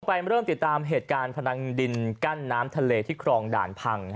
เริ่มติดตามเหตุการณ์พนังดินกั้นน้ำทะเลที่ครองด่านพัง